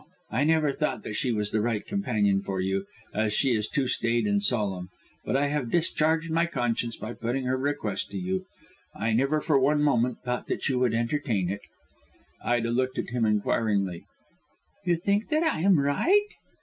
I never thought that she was the right companion for you, as she is too staid and solemn; but I have discharged my conscience by putting her request to you. I never for one moment thought that you would entertain it." Ida looked at him inquiringly. "You think that I am right?"